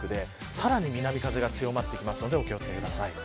さらに南風が強まるのでお気を付けください。